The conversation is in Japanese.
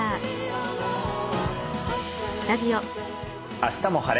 「あしたも晴れ！